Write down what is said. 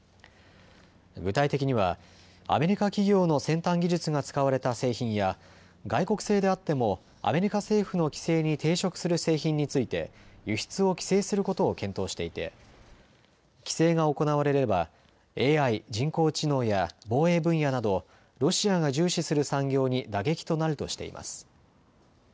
具体的にはアメリカ企業の先端技術が使われた製品や外国製であってもアメリカ政府の規制に抵触する製品について輸出を規制することを検討していて規制が行われればＡＩ・人工知能や防衛分野などロシアが重視する産業に打撃となるとしています。